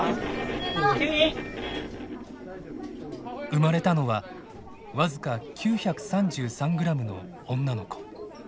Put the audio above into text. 生まれたのは僅か９３３グラムの女の子。